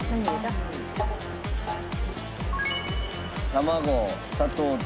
卵砂糖と。